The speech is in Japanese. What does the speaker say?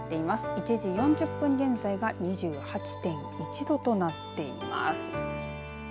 １時４０分現在が２８．１度となっています。